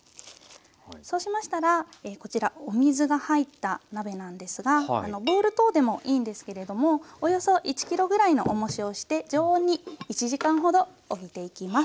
そうしましたらこちらお水が入った鍋なんですがボウル等でもいいんですけれどもおよそ１ｋｇぐらいのおもしをして常温に１時間ほどおいていきます。